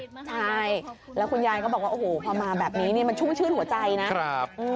ใช่แล้วคุณยายก็บอกว่าโอ้โหพอมาแบบนี้นี่มันชุ่มชื่นหัวใจนะครับ